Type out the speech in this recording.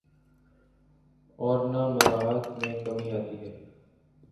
اورنہ مراعات میں کمی آتی ہے۔